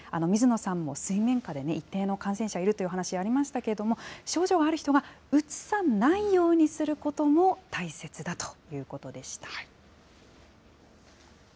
水野さんも水面下で一定の感染者がいるという話がありましたけれども、症状がある人がうつさないようにすることも大切だということでした。